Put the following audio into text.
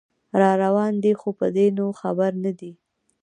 راروان دی خو په دې نو خبر نه دی